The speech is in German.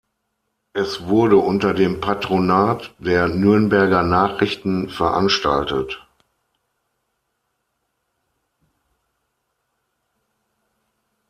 Es wurde unter dem Patronat der Nürnberger Nachrichten veranstaltet.